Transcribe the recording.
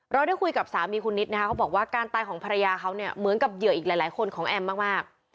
ได้คุยกับสามีคุณนิดนะคะเขาบอกว่าการตายของภรรยาเขาเนี่ยเหมือนกับเหยื่ออีกหลายคนของแอมมาก